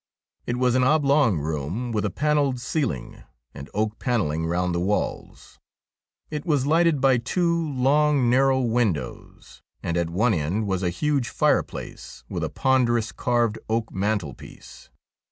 It was an oblong room with a panelled ceiling, and oak panelling round the walls. It was lighted by two long, narrow windows, and at one end was a huge fireplace with a ponderous carved oak mantelpiece.